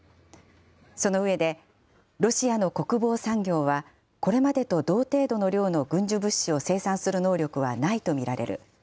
その上で、ロシアの国防産業はこれまでと同程度の量の軍需物資を生産する能力はないと見られる。